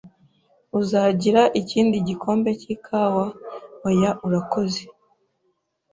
"Uzagira ikindi gikombe cy'ikawa?" "Oya, urakoze."